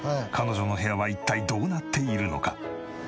彼女の部屋は一体どうなっているのか？